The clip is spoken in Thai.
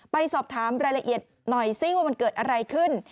ไปสอบถามรายละเอียดหน่อยซิว่ามันเกิดอะไรขึ้น